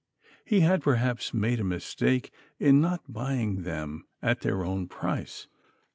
He had perhaps made a mistake in not buying them at their own price.